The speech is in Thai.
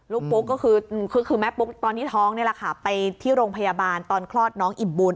ปุ๊กก็คือแม่ปุ๊กตอนที่ท้องนี่แหละค่ะไปที่โรงพยาบาลตอนคลอดน้องอิ่มบุญ